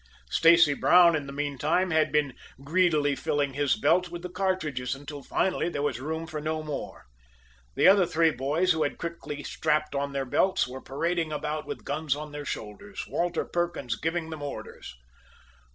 Stacy Brown in the meantime, had been greedily filling his belt with the cartridges, until finally there was room for no more. The other three boys, who had quickly strapped on their belts, were parading about with guns on their shoulders, Walter Perkins giving them their orders.